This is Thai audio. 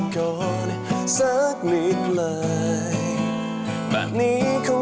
ก้าวเบื้องก้าว